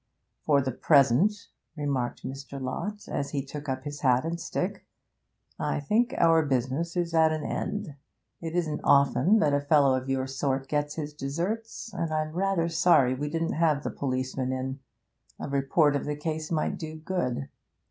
'For the present,' remarked Mr. Lott, as he took up his hat and stick, 'I think our business is at an end. It isn't often that a fellow of your sort gets his deserts, and I'm rather sorry we didn't have the policeman in; a report of the case might do good.